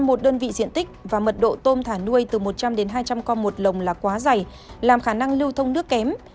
một đơn vị diện tích và mật độ tôm thả nuôi từ một trăm linh đến hai trăm linh con một lồng là quá dày làm khả năng lưu thông nước kém